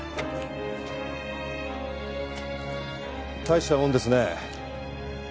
大したもんですね。